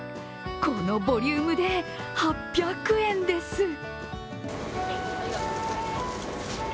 このボリュームで８００円です。